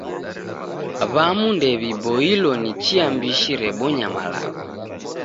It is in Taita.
W'amu ndew'iboilo ni chia mbishi rebonya malagho.